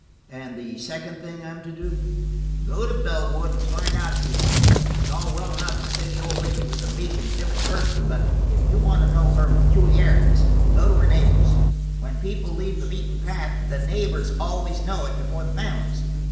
"And the second thing I am to do ?" "Go to Bellwood and find out a few things. It's all well enough to say the old lady was a meek and, timid person, but if you want to know her peculiarities, go to her neighbors. When people leave the beaten path, the neighbors always know it before the families."